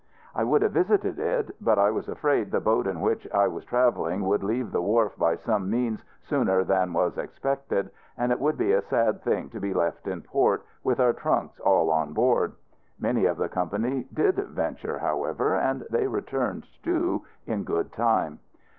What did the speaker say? I would have visited it; but I was afraid the boat in which I was traveling would leave the wharf by some means sooner than was expected, and it would be a sad thing to be left in port, with our trunks all on board. Many of the company did venture, however, and they returned, too, in good time.